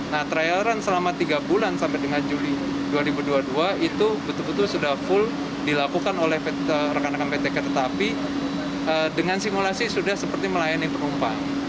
nah trial run selama tiga bulan sampai dengan juli dua ribu dua puluh dua itu betul betul sudah full dilakukan oleh rekan rekan pt kereta api dengan simulasi sudah seperti melayani penumpang